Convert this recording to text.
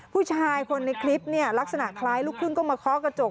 ผู้ชายคนในคลิปเนี่ยลักษณะคล้ายลูกครึ่งก็มาเคาะกระจก